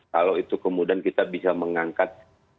kalau itu kemudian kita bisa mengangkat